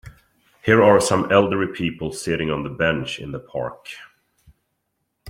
Here are some elderly people sitting on the bench in the park.